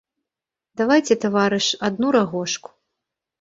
Давайце, таварыш, адну рагожку.